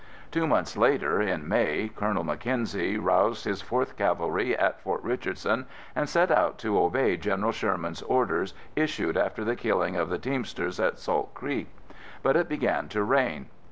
Two months later, in May, Colonel Mackenzie roused his 4th Cavalry at Fort Richardson and set out to obey General Sherman's orders issued after the killing of the teamsters at Salt Creek. But it began to rain.